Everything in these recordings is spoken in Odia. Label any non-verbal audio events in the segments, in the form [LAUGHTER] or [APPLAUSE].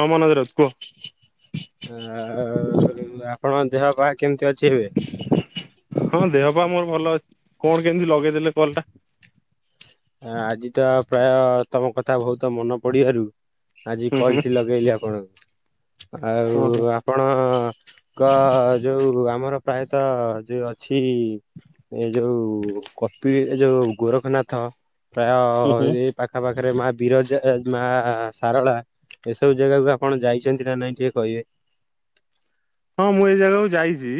ହଁ ମନଜ ରାଉତ୍ କୁହ? ଆ ଆପଣଙ୍କ ଦେହ ପାହା କେମିତି ଅଛି ଏବେ? ହଁ ଦେହ ପା ମୋର ଭଲ ଅଛି। କଣ କେମିତି ଲଗେଇଦେଲେ କଲ୍ ଟା? ଆଜି ତ ପ୍ରାୟ ତମ କଥା ବହୁତ ମନେ ପଡିବାରୁ ଆଜି ହୁଁ ହୁଁ କଲ୍ ଟି ଲଗେଇଲି ଆପଣଙ୍କୁ। ଓହୋ ଆଉ ଆପଣଙ୍କ ଯୋଉ ଆମର ପ୍ରାୟତଃ ଯୋଉ ଅଛି ଏ ଯୋଉ କପି, ଯୋଉ ଗୋରଖନାଥ ହୁଁ ହୁଁ ପ୍ରାୟ ଏ ପାଖା ପାଖରେ ମା ବିରଜା, ମା ସାରଳା ଏସବୁ ଜାଗାକୁ ଆପଣ ଯାଇଛନ୍ତି ନା ନାଇଁ ଟିକେ କହିବେ? ହଁ ମୁଁ ଏଇ ଜାଗାକୁ ଯାଇଛି।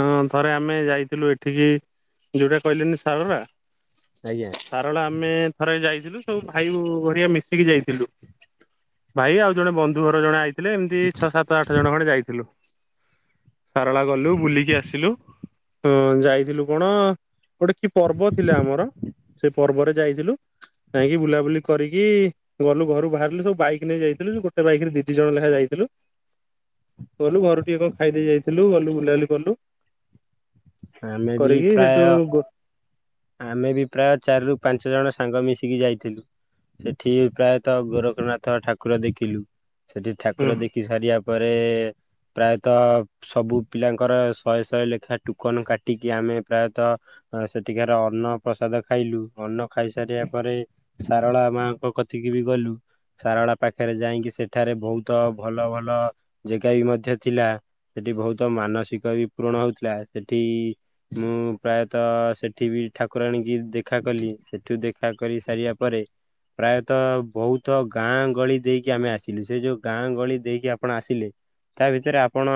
ହଁ ଥରେ ଆମେ ଯାଇଥିଲୁ ଏଠିକି, ଯୋଉଟା କହିଲେନି ସାରଳା ଆଜ୍ଞା। ସାରଳା ଆମେ ଥରେ ଯାଇଥିଲୁ, ସବୁ ଭାଇ ବୋହୁ ହାରିକା ମିଶିକି ଯାଇ ଥିଲୁ। ଭାଇ ଆଉ ଜଣେ ବନ୍ଧୁ ଘର ଜଣେ ଆଇଥିଲେ, ଏମିତି ଛଅ, ସାତ, ଆଠ, ଜଣ ଖଣ୍ଡେ ଯାଇଥିଲୁ। ସାରଳା ଗଲୁ ବୁଲିକି ଆସିଲୁ। ଉଁ ଯାଇଥିଲୁ କଣ ଗୋଟେ କି ପର୍ବ ଥିଲା ଆମର, ସେ ପର୍ବରେ ଯାଇଥିଲୁ। ଯାଇଁକି ବୁଲାବୁଲି କରିକି ଗଲୁ ଘରୁ ବାହାରିଲୁ ସବୁ ବାଇକ୍ ନେଇ ଯାଇଥିଲୁ। ଗୋଟେ ବାଇକ୍ ରେ ଦି ଦି ଜଣ ଲେଖାଁ ଯାଇଥିଲୁ। ଗଲୁ ଘରୁ ଟିକେ କଣ ଖାଇ ଦେଇେକି ଯାଇଥିଲୁ। ଗଲୁ ବୁଲାବୁଲି କଲୁ। ଆମେ ବି କରିକି ପ୍ରାୟ ହେଟୁ ଆମେ ବି ପ୍ରାୟ ଚାରିରୁ ପାଞ୍ଚ ଜଣ ସାଙ୍ଗ ମିଶିକି ଯାଇଥିଲୁ। ସେଠି ପ୍ରାୟତଃ ଗୋରଖନାଥ ଠାକୁର ଦେଖିଲୁ। ସେଠି ଠାକୁର ଦେଖି ଦେଖି ସାରିବା ପରେ, ପ୍ରାୟତଃ ସବୁ ପିଲାଙ୍କର ଶହେ ଶହେ ଲେଖାଏ ଟୋକନ କାଟିକି ଆମେ ପ୍ରାୟତଃ, ସେ ଟିକାର, ଅନ୍ନ ପ୍ରସାଦ ଖାଇଲୁ। ଅନ୍ନ ଖାଇସାରିବା ପରେ, ସାରଳା ମାଙ୍କ କତି ଗୀ, ଗଲୁ ସାରଳା ପାଖରେ ଯାଇଙ୍କି, ସେଠାରେ ବୋହୁତ ଭଲ ଭଲ ଜାଗା ବି ମଧ୍ୟ ଥିଲା। ସେଠି ବୋହୁତ ମାନସିକ ବି ପୂୁରଣ ହଉଥିଲା। ସେଠି ମୁଁ ପ୍ରାୟତଃ ସେଠି ବି ଠାକୁରାଣୀ କିି ଦେଖା କଲି। ସେଠି ଦେଖି ଦେଖା କରି ସାରିବା ପରେ ପ୍ରାୟତଃ ବୋହୁତ ଗାଁ ଗଳି ଦେଇକି ଆମେ ଆସିଲୁ। ସେ ଯୋଉ ଗାଁ ଗଳି ଦେଇକି ଆପଣ ଆସିଲେ ତା ଭିତରେ ଆପଣ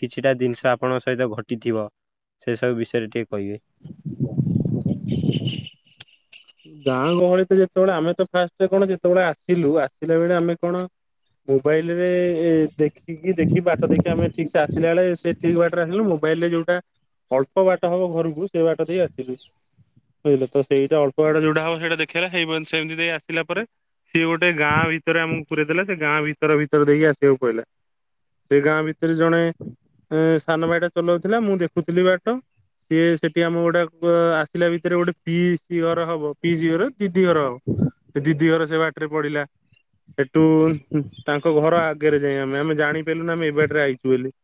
କିଛିଟା ଜିନିଷ ଆପଣଙ୍କ ସହିତ ଘଟିଥିବ? ସେ ସବୁ ବିଷୟରେ ଟିକେ କହିବେ? [INAUDIBLE] ଗାଁ ଗହଳି ତ ଯେତେବେଳେ ଆମେ ତ ଫାଷ୍ଟ କଣ ଯେତେବେଳେ ଆସିଲୁ ଆସିଲା ବେଳେ ଆମେ କଣ ମୋବାଇଲ ରେ ଏ ଦେଖିକି ଦେଖି ବାଟ ଦେଖି ଆମେ ଠିକ୍ ସେ ଆସିଲା ବେଳେ ସେ ଠିକ୍ ବାଟରେ ଆସିଲୁନୁ। ମୋବାଇଲରେ ଯୋଉଟା ଅଳ୍ପ ବାଟ ହବ ଘରକୁ ସେ ବାଟ ଦେଇ ଆସିଲୁ ବୁଝିଲେ ତ ସେଇଟା ଅଳ୍ ପ ବାଟ ଯୋଉଟା ହବ ସେଇଟା ଦେଖେଇଲା ହେଇ ପ ସେମିତି ଦେଇ ଆସିଲା ପରେ ସିଏ ଗୋଟେ ଗାଁ ଭିତରେ ଆମକୁ ପୁରେଇ ଦେଲା ସେ ଗାଁ ଭିତର ଭିତର ଦେଇକି ଆସିବାକୁ ପଇଲା। ସେ ଗାଁ ଭିତରେ ଜଣେ ଏ ସାନ ଭାଇଟା ଚଲାଉଥିଲା ମୁଁ ଦେଖୁଥିଲି ବାଟ। ସିଏ ସେଠି ଆମ ଗୋଟେ ଅ ଆସିଲା ଭିତରେ ଗୋଟେ ପିଇ-ଇସୀ ଘର ହବ ପିଇସୀ ଘର ଦିଦି ଘର ହବ ସେ ଦିଦି ଘର ସେ ବାଟରେ ପଡିଲା। ସେଠୁ-ଉ-ଉ-ଉ ଉ ତାଙ୍କ ଘର ଆଗରେ ଯାଇ ଆମେ ଆମେ ଜାଣିପାରିଲୁନୁ ଆମେ ଏ ବାଟରେ ଆଇଛୁ ବୋଲି।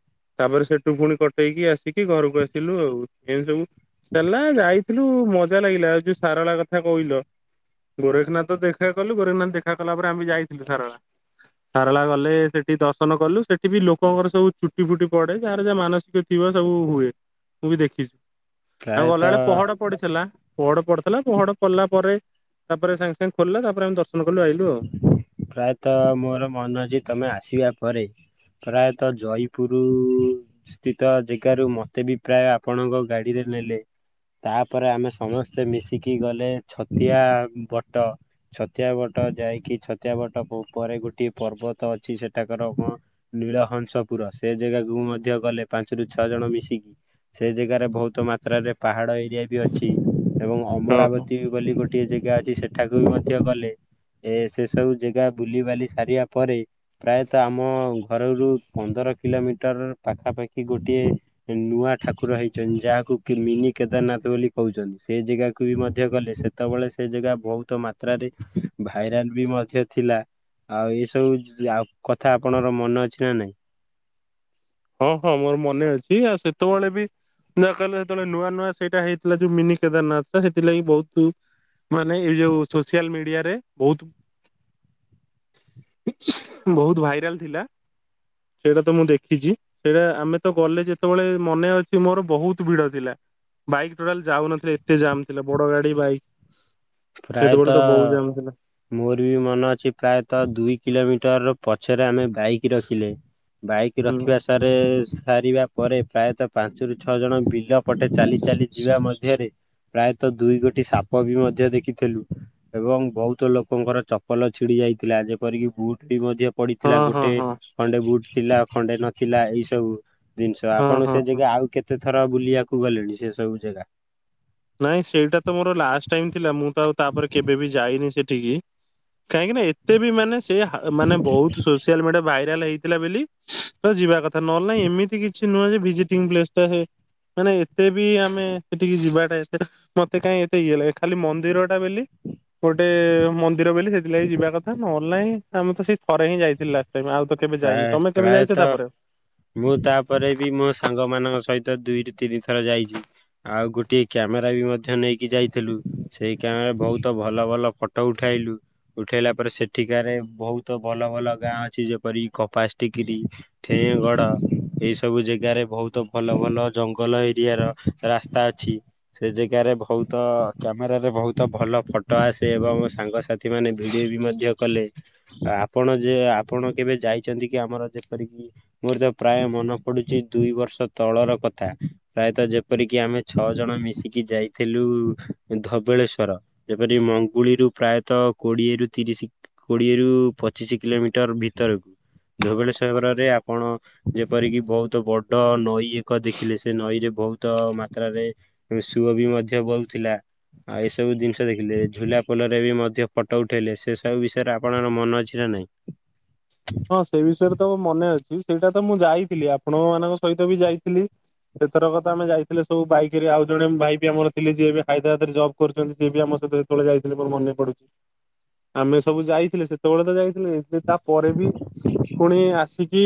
ତାପରେ ସେଠୁ ଫୁଣି କଟେଇକି ଆସିକି ଘରକୁ ଆସିଲୁ ଆଉ ଏମତି ସବୁ ଦେଲା ଯାଇଥିଲୁ ମଜା ଲାଗିଲା ଯୋଉ ସାରଳା କଥା କହିଲ ଗୋରେଖନାଥ ତ ଦେଖା କଲୁ, ଗୋରେଖନାଥ ଦେଖା କଲା ପରେ ଆମେ ଯାଇଥିଲୁ ସାରଳା। ସାରଳା ଗଲେ ସେଠି ଦର୍ଶନ କଲୁ ସେଠି ବି ଲୋକଙ୍କର ସବୁ ଚୁଟି ଫୁଟି ପଡେ ଯାହାର ଯାହା ମାନସିକ ଥିବ ସବୁ ହୁଏ ମୁଁ ବି ଦେଖିଛି ଆଉ ପ୍ରାୟତଃ ଗଲାବେଳେ ପହଡ ପଡିଥିଲା ପହଡ ପଡି ଲା ପହଡ଼ ପଡିଲା ପରେ ତାପରେ ସାଙ୍ଗେ ସାଙ୍ଗେ ଖୋଲିଲା ତାପରେ ଆମେ ଦର୍ଶନ କଲୁ ଆଇଲୁ ଆଉ। ପ୍ରାୟତଃ ମୋର ମନ ଅଛି ତମେ ଆସିବା ପରେ ପ୍ରାୟତଃ ଜୟପୁର-ଉ-ଉ-ଉ ସ୍ଥିତ ଜାଗାରୁ ମତେ ବି ପ୍ରାୟ ଆପଣଙ୍କ ଗାଡିରେ ନେଲେ ତାପରେ ଆମେ ସମସ୍ତେ ମିଶିକି ଗଲେ ଛତିଆ ବଟ। ଛତିଆବଟ ଯାଇକି ଛତିଆବଟ ପ ପରେ ଗୋଟିଏ ପର୍ବତ ଅଛି ସେଠାକାର କଣ ନୀଳହଂସପୁର ସେ ଜାଗାକୁ ମଧ୍ୟ ଗଲେ ପାଞ୍ଚରୁ ଛଅ ଜଣ ମିଶିକି। ସେ ଜାଗାରେ ବହୁତ ମାତ୍ରାରେ ପାହାଡ ଏରିଆ ବି ଅଛି। ଏବଂ ଓହୋ ଅମରାବତୀ ବୋଲି ଗୋଟିଏ ଜାଗା ଅଛି ସେଠାକୁ ବି ମଧ୍ୟ ଗଲେ। ଏ-ଏ-ଏ ସେ ସବୁ ଜାଗା ବୁଲିିବାଲି ସାରିବା ପରେ ପ୍ରାୟତଃ ଆମ ଘରରୁ ପନ୍ଦର କିଲୋମିଟର ପାଖାପାଖି ଗୋଟିଏ ନୂଆ ଠାକୁର ହେଇଛନ୍ତି ଯାହାକୁ କି ମିନି କେଦାରନାଥ ବୋଲି କହୁଛନ୍ତି ସେ ଜେଗାକୁ ବି ମଧ୍ୟ ଗଲେ ସେ ସେତେବେଳେ ସେ ଜାଗା ବହୁତ ମାତ୍ରାରେ ଭାଇରାଲ ବି ମଧ୍ୟ ଥିଲା ଆଉ ଏସବୁ ଆଉ କଥା ଆପଣଙ୍କର ମନେ ଅଛି ନା ନାଇଁ? ହଁ ହଁ ମୋର ମନେ ଅଛି ଆଉ ସେତେବେଳେ ବି ନା କହିଲେ ସେତେବେଳେ ନୂଆ ନୂଆ ସେଇଟା ହେଇଥିଲା ଯୋଉ ମିନି କେଦାରନାଥ ସେଥିଲାଗି ବହୁତୁ ମାନେ ଏଇ ଯୋଉ ସୋସିଆଲ ମିଡିଆରେ ବହୁତ ବହୁତ ଭାଇରାଲ ଥିଲା ସେଇଟା ତ ମୁଁ ଦେଖିଛି। ସେଇଟା ଆମେ ତ ଗଲେ ଯେତେବେଳେ ମନେ ଅଛି ମୋର ବହୁତ ଭିଡ ଥିଲା। ବାଇକ୍ ଟୋଟାଲ ଯାଉନଥାଏ ଏତେ ଜାମ୍ ଥିଲେ ବଡ ଗାଡି, ବାଇକ୍। ସେତେବେଳେ ତ ପ୍ରାୟତଃ ବହୁ ଜାମ୍ ଥିଲା। ମୋର ବି ମନେ ଅଛି ପ୍ରାୟତଃ ଦୁଇ କିଲୋମିଟର ପଛରେ ଆମେ ବାଇ କ୍ ରଖିଲେ ବାଇକ୍ ହୁଁ ରଖିବା ସାରେ-ଏ-ଏ-ଏ ସାରିବା ପରେ ପ୍ରାୟତଃ ପାଞ୍ଚରୁ ଛଅ ଜଣ ବିଲ ପଟେ ଚାଲି ଚାଲି ଯିବା ମଧ୍ୟରେ ପ୍ରାୟତଃ ଦୁଇ ଗୋଟି ସାପ ବି ମଧ୍ୟ ଦେଖି ଥିଲୁ ଏବଂ ବହୁତ ଲୋକଙ୍କର ଚପଲ ଛିଡି ଯାଇଥିଲା ଯେପରିକି ବୁଟ୍ ବି ମଧ୍ୟ ହଁ ପଡିଥିଲା ହଁ ଗୋଟେ ହଁ ଖଣ୍ଡେ ବୁଟ ଥିଲା ଖଣ୍ଡେ ନଥିଲା ଏଇ ସବୁ ଜିନିଷ ହଁ ଆପଣ ହଁ ସେ ଯେ ହଁ। କି ଆଉ କେତେଥର ବୁଲିଆକୁ ଗଲେଣି ସେ ସବୁ ଜଗା? ନାଇଁ ସେଇଟା ତ ମୋର ଲାଷ୍ଟ ଟାଇମ ଥିଲା ମୁଁ ତ ଆଉ ତାପରେ କେବେ ବି ଯାଇନି ସେଠିକି। କାହିଁକି ନା ଏତେ ବି ମାନେ ସେ ହା ମାନେ ବହୁତୁ ସୁ ସୋସିଆଲ ମିଡିଆ ଭାଇରାଲ ହେଇଥିଲା ବୋଲି ତ ଯିବା କଥା ନହେଲେ ନାଇଁ ଏମିତି କିଛି ନୁହଁ ଯେ ଭିଜିଟିଙ୍ଗ ପ୍ଳେସ୍ ଟା ସେ ମାନେ ଏତେ ବି ଆମେ ସେଠିକି ଯିବାଟା ମତେ କାଇହିଁ ଏତେ ଇଏ ଲାଗେ ଖାଲି ମନ୍ଦିର ଟା ବୋଲି ଗୋଟେ-ଏ-ଏ-ଏ ମ ନ୍ଦିର ବୋଲି ସେଥିଲାଗି ଯିବା କଥା ନହେଲେ ନାଇଁ ଆମ ତ ସେଇ ଥରେ ହିଁ ଯାଇଥିଲ ଲାଷ୍ଟ ଟାଇମ୍ ଆଉ ତ କେବେ ପ୍ରାୟ ଯାଇନି ତମେ କେବେ ଯାଇଛ ପ୍ରାୟତଃ ତାପରେ? ମୁଁ ତାପରେ ବି ମୋ ସାଙ୍ଗ ମାନଙ୍କ ସହିତ ଦୁଇରୁ ତିନି ଥର ଯାଇଛି। ଆଉ ଗୋଟଏ କ୍ୟାମେରା ବି ମଧ୍ୟ ନେଇକି ଯାଇଥିଲୁ ସେଇ କ୍ୟାମେରା ବହୁତ ଭଲ ଭଲ ଫଟ୍ ଫଟ ଉଠାଇଲୁ ଉଠେଇଲା ପରେ ସେଠିକାରେ ବହୁତ ଭଲ ଭଲ ଗାଁ ଅଛି ଯେପରି କପାସ ଟିକିଲି ଠେଁଗଡ଼। ଏଇ ସବୁ ଜେଗାରେ ବହୁତ ଭଲ ଭଲ ଜଙ୍ଗଲ ଏରିଆ ର ରାସ୍ତା ଅଛି। ସେ ଜେଗାରେ ଭହୁତ କ୍ୟାମେରାରେ ଭହୁତ ଭଲ ଫଟ ଆସେ ଏବଂ ସାଙ୍ଗସା ଥି ମାନେ ଭିଡ଼ିଓ ବି ମଧ୍ୟ କଲେ ଆପଣ ଯେ ଆପଣ କେବେ ଯାଇଛନ୍ତି କି ଆମର ଯେପରିକି। ମୋର ତ ପ୍ରାୟ ମନ ପଡୁଛି ଦୁଇ ବର୍ଷ ତଳର କଥା। ପ୍ରାୟତଃ ଯେପରିକି ଆମେ ଛଅ ଜଣ ମିଶିକି ଯାଇଥିଲୁ ଧବଳେଶ୍ଵର। ଯେପରି ମଙ୍ଗୁଳିରୁୁ ପ୍ରାୟତଃ କୋଡିଏ ରୁ ତିରିଶି କୋଡିଏରୁୁ ପଚିଶି କିଲୋମିଟର ଭିତରକୁ। ଧୋବେଳେଶ୍ଵର ରେ ଆପଣ ଯେପରିକି ବହୁତ ବଡ ନଈ ଏକ ଦେଖିଲେ ସେ ନଈରେ ବହୁତ ମାତ୍ରାରେ ସୁଅ ବି ମଧ୍ୟ ବହୁଥିଲା। ଆଉ ଏସବୁ ଜିନିଷ ଦେଖିଲେ ଝୁଲା ପୋଲରେ ବି ମଧ୍ୟ ଫଟ ଉଠାଇଲେ ସେସବୁ ବିଷୟରେ ଆପଣଙ୍କର ମନେ ଅଛି ନାଁ ନାଇଁ। ହଁ ସେ ବିଷୟରେ ତ ମନେ ଅଛି ସେଇଟା ତ ମୁଁ ଯାଇଥିଲି ଆପଣଙ୍କ ମାନଙ୍କ ସହିତ ବି ଯାଇଥିଲି। ସେଥରକ ତ ଆମେ ଯାଇଥିଲେ ସବୁ ବାଇକ ରେ ଆଉ ଜଣେ ଭାଇ ବି ଆମର ଥିଲେ ଯିଏ ଏବେ ହଇଦ୍ରାବାଦରେ ଜବ୍ କରୁଛନ୍ତି ସିଏବି ଆମସହିତ ସେତେବେଳେ ଯାଇଥିଲେ ମୋର ମନେ ପଡୁଛି। ଆମେ ସବୁ ଯାଇଥିଲେ ସେତେବେଳେ ତ ଯାଇଥିଲେ ତାପରେ ବି ପୁଣି ଆସିକି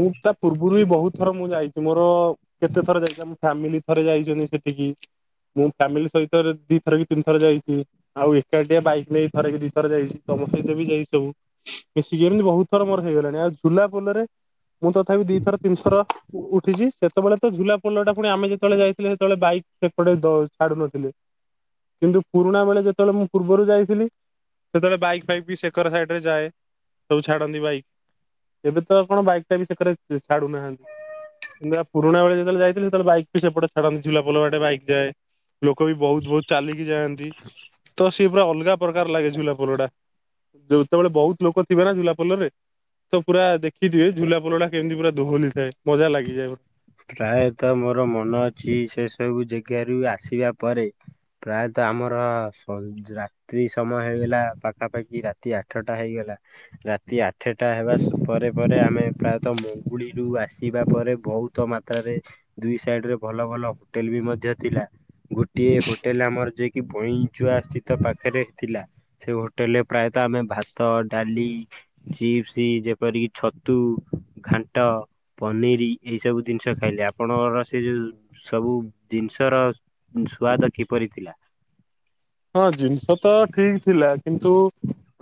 ମୁଁ ତା ପୂର୍ବରୁ ବି ବହୁତ ଥର ମୁଁ ଯାଇଛି ମୋର କେତେ ଥର ଯାଇଚି ଆମ ଫ୍ୟାମିଲି ଥରେ ଯାଇଛନ୍ତି ସେଠିକି। ମୁଁ ଫ୍ୟାମିଲି ସହିତ ରେ ଦିଥର କି ତିନି ଥର ଯାଇଛି। ଆଉ ଏକାଟିଆ ବାଇକ ନେଇ ଥରେ କି ଦିଥର ଯାଇଛି ତମ ସହିତ ବି ଯାଇଛି ସବୁ ମିଶିକି ଏମିତି ବହୁତ ଥର ମୋର ହେଇଗଲାଣି ଆଉ ଝୁଲା ପୋଲରେ ମୁଁ ତଥାପି ଦିଥର ତିନିଥର ଉଠିଛି। ସେତେବେଳେ ତ ଝୁଲା ପୋଲଟା ପୁଣି ଆମେ ଯେତେବେଳେ ଯାଇଥିଲେ ହେତେବେଳେ ବାଇକ୍ ହେପଟେ ଛାଡୁନଥିଲେ। କିନ୍ତୁ ପୁରୁଣା ବେଳେ ଯେତେବେଳେ ମୁଁ ପୂର୍ବରୁ ଯାଇଥିଲି ସେତେବେଳେ ବାଇକ୍ ଫାଇକ୍ ବି ସେକର ସାଇଡ ରେ ଯାଏ। ଛାଡ଼ନ୍ତି ବାଇକ୍ ଏବେ ତ କଣ ବାଇକ୍ ଟା ବି ସେକରେ ଛାଡୁନାହାଁନ୍ତି। ନନାଁ ପୁରୁଣା ବେଳେ ଯେତେବେଳେ ଯାଇଥିଲି ସେତବେଳେ ବାଇକ ବି ସେପଟେ ଛାଡ଼ନ୍ତି ଝୁଲାପୋଲ ବାଟେ ବାଇକ ଯାଏ। ଲୋକ ବି ବହୁତ ବହୁତ ଚାଲିକି ଯାଆନ୍ତି ତ ସିଏ ପୁରା ଅଲଗା ପ୍ରକାର ଲାଗେ ଝୁଲାପୋଲ ଟା। ଯେତବେଳେ ବହୁତ ଲୋକ ଥିବେ ନା ଝୁଲା ପୋଲରେ ତ ପୁରା ଦେଖିଥିବେ ଝୁଲା ପୋଲଟା କେମିତି ପୁରା ଦୋହଲି ଥାଏ ମଜା ଲାଗିଯାଏ। ପ୍ରାୟତଃ ମୋର ମନ ଅଛି ସେ ସବୁ ଯେଗାରୁ ଆସିବା ପରେ। ପ୍ରାୟତଃ ଆମର ସଂ ରାତି ରାତ୍ରି ସମୟ ହେଇଗଲା ପାଖାପାଖି ରାତି ଆଠଟା ହେଇଗଲା ରାତି ଆ ଠେଟା ହେବା ପରେ ପରେ ଆମେ ପ୍ରାୟତଃ ମୁଙ୍ଗୁଳିରୁୁ ଆସିବା ପରେ ବହୁତ ତ ମାତ୍ରାରେ ଦୁଇ ସାଇଡ ରେ ଭଲ ଭଲ ହୋଟେଲ ବି ମଧ୍ୟ ଥିଲା। ଗୋଟିଏ ହୋଟେଲ ଆମର ଯେକି ପଇଁଚୁଆ ସ୍ଥିତ ପାଖେରେ ଥିଲା। ସେ ହୋଟେଲରେ ପ୍ରାୟତଃ ଆମେ ଭାତ, ଡାଲି ଚିପ୍ସ ଯେପରିକି ଛତୁ, ଘାଣ୍ଟ, ପନିର ଏଇ ସବୁ ଜିନିଷ ଖାଇଲେ ଆପଣଙ୍କର ସେ ଯେଉଁ ସବୁ ଜିନିଷର ସ୍ୱାଦ କିପରି ଥିଲା? ହଁ ଜିନିଷ ତ ଠିକ ଥିଲା କିନ୍ତୁ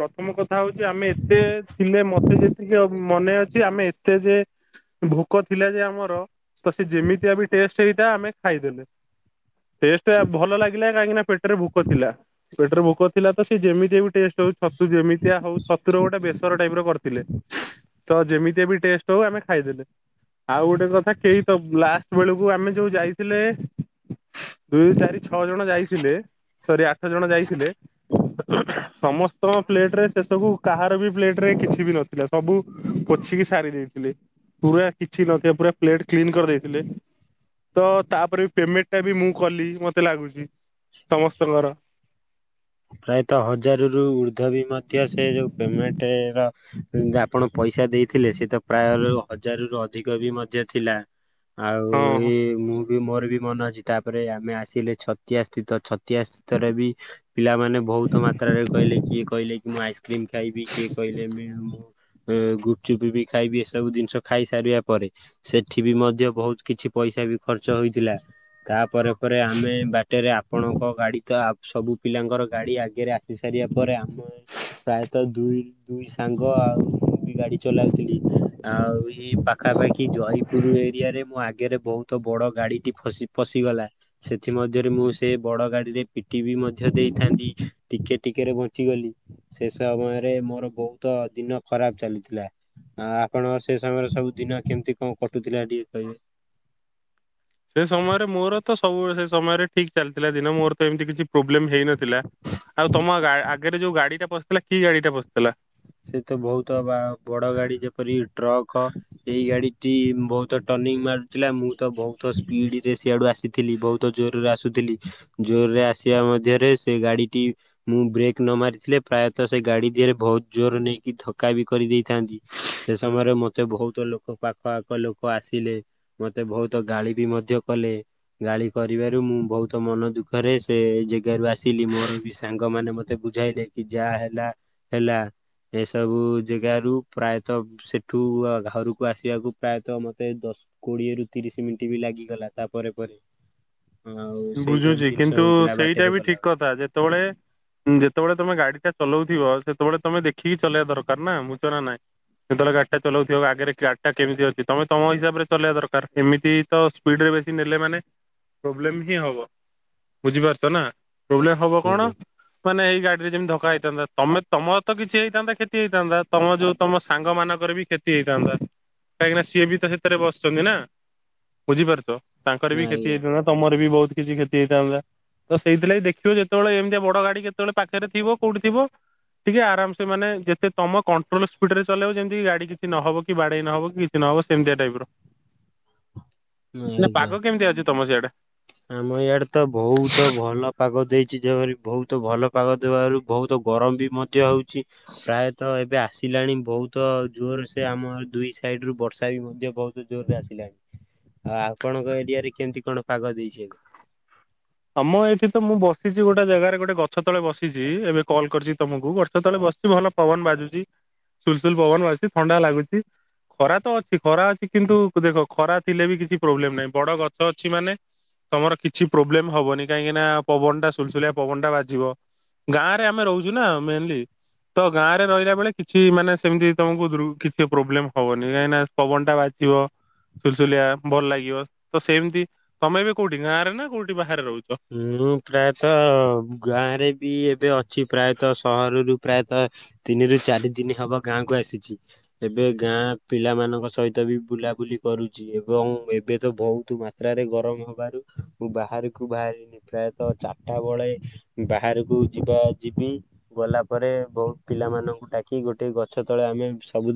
ପ୍ରଥମ କଥା ହଉଛି ଆମେ ଏତେ ଥିଲେ ମତେ ଯେତିକି ମନେ ଅଛି ଆମେ ଏତେ ଯେ ଭୋକ ଥିଲା ଯେ ଆମର ତ ସେ ଯେମିତିଆ ବି ଟେଷ୍ଟ ସେଇଟା ଆମେ ଖାଇଦେଲେ ଟେଷ୍ଟ ଭଲ ଲାଗିଲା କାହିଁକିନା ପେଟରେ ଭୋକ ଥିଲା। ପେଟରେ ଭୋକ ଥିଲା ତ ସେ ଯେମିତିଆ ବି ଟେଷ୍ଟ ହଉ ଛତୁ ଯେମିତିଆ ହଉ ଛତୁର ଗୋଟେ ବେସର ଟାଇପ ର କରିଥିଲେ। ତ ଯେମିତିଆ ବି ଟେଷ୍ଟ ହଉ ଆମେ ଖାଇଦେଲେ। ଆଉ ଗୋଟେ କଥା କେହି ତ ଲାଷ୍ଟ ବେଳକୁ ଆମେ ଯୋଉ ଯାଇଥିଲେ ଦୁଇ ଚାରି ଛଅ ଜଣ ଯାଇଥିଲେ। ସରି ଆଠ ଜଣ ଯାଇଥିଲେ ସମସ୍ତଙ୍କ ପ୍ଲେଟ ରେ ସେ ସବୁ କାହାର ବି ପ୍ଲେଟ ରେ କିଛି ବି ନଥିଲା ସବୁ ପୋଛିକି ସାରି ଦେଇଥିଲେ। ପୁରା କିଛି ନଥିବା ପୁରାଟ କ୍ଲିନ କରିଦେଇଥିଲେ। ତ ତାପରେ ବି ପେମେଣ୍ଟ ଟା ବି ମୁଁ କଲି ମତେ ଲାଗୁଛି। ସମସ୍ତଙ୍କର ପ୍ରାୟତଃ ହଜାରରୁ ଉର୍ଦ୍ଧ ବି ମଧ୍ୟ ସେ ଯୋଉ ପେମେଣ୍ଟର ଆପଣ ପଇସା ଦେଇଥିଲେ ସେ ତ ପ୍ରାୟ ହଜାରରୁ ଅଧିକ ବି ମଧ୍ୟ ଥିଲା ଆଉ ହଁ। ଏଇ ମୁଁ ବି ମୋର ବି ମନ ଅଛି ତାପରେ ଆମେ ଆସିଲେ ଛତିଆଶ ସ୍ଥିତ ଛତିଆ ସ୍ଥିତରେ ବି ପିଲାମାନେ ବହୁତ ମାତ୍ରରେ କହିଲେ କିଏ କହିଲେ କି ମୁଁ ଆଇସ୍କ୍ରିମ ଖାଇବି କିଏ କହିଲେ ମୁ ଗୁପଚୁପି ବି ଖାଇବି ଏସବୁ ଜିନିଷ ଖାଇ ସାରିବା ପରେ ସେଠି ବି ମଧ୍ୟ ବହୁତ କିଛି ପଇସା ବି ଖର୍ଚ୍ଚ ହେଇଥିଲା ତାପରେ ପରେ ଆମେ ବା ଟେରେ ଆପଣଙ୍କ ଗାଡି ତ ସବୁ ପିଲାଙ୍କର ଗାଡି ଆଗରେ ଆସି ସାରିବା ପରେମ ପ୍ରାୟତଃ ଦୁଇ ଦୁଇ ସାଙ୍ଗ ଆଉ ମୁଁ ବି ଗାଡି ଚଲାଉଥିଲି। ଆଉ ଇ ପାଖାପାଖି ଜୟପୁର ଏରିଆ ରେ ମୁଁ ଆଗରେ ବହୁତ ତ ବଡ ଗାଡିଟି ଫଶି-ଫଶିଗଲା ସେଥି ମଧ୍ୟ ରେ ମୁଁ ସେ ବଡ ଗାଡିରେ ପିଟି ବି ମଧ୍ୟ ଦେଇଥାନ୍ତି ଟିକେ ଟିକେରେ ବଞ୍ଚିଗଲି। ସେ ସମ ସମୟରେ ମୋର ବହୁତ ଦିନ ଖରାପ ଚାଲିଥିଲା। ଆ ଆପଣଙ୍କର ସେ ସମୟରେ ସବୁ ଦିନ କେମିତି କ'ଣ କଟୁଥିଲା ଟିକେ କହିବେ? ସେ ସମୟରେ ମୋର ତ ସବୁବେଳେ ସେ ସମୟରେ ଠିକ ଚାଲିଥିଲା ଦିନ ମୋର ତ ଏମିତି କିଛି ପ୍ରୋବ୍ଲେମ ହେଇନଥିଲା ଆଉ ତମ ଆ-ଆଗରେ ଯୋଉ ଗାଡି ଟା ପସିଥିଲା କି ଗାଡ଼ିଟା ବସିଥିଲା। ସେ ତ ବହୁତବା ବଡ ଗାଡି ଯେପରି ଟ୍ରକ ଏଇ ଗାଡି ଟି ବହୁତ ଟର୍ନିଂ ମାରୁଥିଲା ମୁଁ ତ ବହୁତ ସ୍ପିଡ ରେ ସଆଡୁ ଆସି ଥିଲି ବହୁତ ଜୋରରେ ଆସୁଥିଲି ଜୋରରେ ଆସିବା ମଧ୍ୟରେ ସେ ଗାଡିଟି ମୁଁ ବ୍ରେକ୍ ନ ମାରିଥିଲେ ପ୍ରାୟତଃ ସେ ଗାଡି ଧରେ ବହୁତ ଜୋର ନେଇକି ଧକ୍କା ବି କରିଦେଇଥାନ୍ତି। ସେ ସମୟରେ ମତେ ବହୁତ ଲୋକ ପାଖ ଆଖ ଲୋକ ଆସିଲେ। ମତେ ବହୁତ ଗାଳି ବି ମଧ୍ୟ କଲେ। ଗାଳି କରିବାରୁ ମୁଁ ବହୁତ ମନ ଦୁଃଖରେ ସେ ଜାଗାରୁ ଆସିଲି ମୋର ବି ସାଙ୍ଗମାନେ ମ ତେ ବୁଝାଇଲେ କି ଯାହା ହେଲା ହେଲା ଏସବୁ ଜାଗାରୁ ପ୍ରାୟତଃ ସେଠୁ ଘରକୁ ଆସିବାକୁ ପ୍ରାୟତଃ ମୋତେ ଦଶ କୋଡିଏ ରୁ ତିରିଶ ମିନିଟ୍ ବି ଲାଗିଗଲା ତାପରେ ପରେ। ଆଉ ସେଇ ସବୁ ବୁଝୁଛି ଜିନିଷ କିନ୍ତୁ ହୋଇଥିଲା ସେଇଟା ବାଟରେ ବି ଠିକ ଗଲାବେଳେ କଥା ଯେତେବେଳେ ଯେତେବେଳେ ତମେ ଗାଡି ଟା ଚଲଉଥିବ ସେତେବେଳେ ତମେ ଦେଖିକି ଚଲେଇବା ଦରକାର ନା ବୁଝୁଛ ନା ନାଇଁ। ଯେତେବେଳେ ଗାଡି ଟା ଚଲାଉଥିବ ଆଗରେ ଗାଡି ଟା କେମିତି ଅଛି ତମେ ତମ ହିସାବରେ ଚଲେଇବା ଦରକାର ଏମିତି ତ ସ୍ପିଡ ରେ ବେଶୀ ନେଲେ ମାନେ ପ୍ରୋବ୍ଲେମ୍ ହିଁ ହବ ବୁଝିପାରୁଛ ନା ପ୍ରୋବ୍ଲେମ ହବ କ'ଣ ହୁଁ ମାନେ ଏଇ ଗାଡି ରେ ଯେମିତି ଧକ୍କା ହେଇଥାନ୍ତା ତମେ ତମର ତ କିଛି ହେଇଥାନ୍ତା କ୍ଷତି ହେଇଥାନ୍ତା ତମ ଯୋଉ ତମ ସାଙ୍ଗ ମାନଙ୍କର ବି କ୍ଷତି ହେଇଥାନ୍ତା କାହିଁକିନା ସିଏ ବି ତ ସେଥିରେ ବସିଛନ୍ତି ନା। ବୁଝିପାରୁଛ ତାଙ୍କର ବି କ୍ଷତି ଆଜ୍ଞା ହେଇଥାନ୍ତା ତମର ବି ବହୁତ କିଛି କ୍ଷତି ହେଇଥାନ୍ତା ତ ସେଇଥିଲାଗି ଦେଖିବ ଯେତେବେଳେ ଏମିତି ବଡ ଗାଡି କେତେବେଳେ ପାଖରେ ଥିବ କୋଉଠି ଥିବ ଟିକେ ଆରାମ ସେ ମେ ଯେତେ ତମ କଣ୍ଟ୍ରୋଲ ସ୍ପିଡ ରେ ଚଲେଇବ ଯେମିତି କି ଗାଡି କିଛି ନହବ କି ବାଡେଇ ନହବ କି ଚିବ ସେମିତି ଟାଇପ ର [INAUDIBLE] ନା ଆଜ୍ଞା। ପାଗ କେମିତି ଅଛି ତମ ସିଆଡା? ଆମ ୟଆଡେ ତ ବହୁତ ଭଲ ପାଗ ଦେଇ ଛି ବହୁତ ଭଲ ପାଗ ଦେବାରୁ ବହୁତ ଗରମ ବି ମଧ୍ୟ ହଉଛି ପ୍ରାୟତଃ ଏବେ ଆସି ଆସିଲାଣି ବହୁତ ଜୋର ସେ ଆମର ଦୁଇ ସାଇଡ ରୁ ବର୍ଷା ବି ମଧ୍ୟ ବହୁତ ଜୋରରେ ଆସିଲାଣି ଆଉ ଆପଣଙ୍କ ଏରିଆରେ କେମିତି କ'ଣ ପାଗ ଦେଇଛନ୍ତି? ଆମ ଏଇଠି ତ ମୁଁ ବସିଛି ଗୋଟେ ଜାଗାରେ ଗୋଟେ ଗଛ ତଳେ ବସିଛି ଏବେ କଲ୍ କରିଛି ତମକୁ ଗଛ ତଳେ ବସିଛି ଭଲ ପବନ ବାଜୁଛି ସୁଲସୁଲ ପବନ ବାଜୁଛି ଥଣ୍ଡା ଲାଗୁଛି। ଖରା ତ ଅଛି ଖରା ଅଛି କିନ୍ତୁ ଦେଖ ଖରା ଥିଲେ ବି କିଛି ପ୍ରୋବ୍ଲେମ ନାହିଁ ବଡ ଗଛ ଅଛି ମାନେ ତମର କିଛି ପ୍ରୋବ୍ଲେମ ହବନି କାହିଁକି ନା ପବନ ଟା ସୁଲସୁଲିଆ ପବନ ଟା ବାଜିବ। ଗାଁ ରେ ଆମେ ରହୁଛୁ ନା ମେନଲି। ତ ଗାଁ ରେ ରହିଲା ବେଳେ କିଛି ମାନେ ସେମିତି ତମକୁ ଦୃ କିଛି ପ୍ରୋବ୍ଲେମ ହବନି କାହିଁକି ନା ପବନ ଟା ବାଜିବ। ସୁଲସୁଲିଆ ଭଲ ଲାଗିବ ତ ସେମିତି ତମେ ବି କୋଉଠି ଗାଁ ରେ ନା କୋଉଠି ବାହାରେ ରହୁଛ? ମୁଁ ପ୍ରାୟତଃ ଗାଁରେ ବି ଏବେ ଅଛି ପ୍ରାୟତଃ ସହରରୁ ପ୍ରାୟତଃ ତିନିରୁ ଚାରି ଦିନ ହବ ଗାଁକୁ ଆସିଛି। ଏବେ ଗାଁ ପିଲାମାନଙ୍କ ସହିତ ବି ବୁଲାବୁଲି କରୁଛି। ଏବଂ ଏବେ ତ ବହୁତ ମାତ୍ରାରେ ଗରମ ହବାରୁ ମୁଁ ବାହାରୁକୁ ବାହାରିନି ପ୍ରାୟତ ଚାରିଟା ବେଳେ ବାହାରକୁ ଯିବା ଯିବି। ଗଲା ପରେ ବହୁତ ପିଲାମାନଙ୍କୁ ଡାକି ଗୋଟେ ଗଛ ତଳେ ଆମେ ସବୁଦି।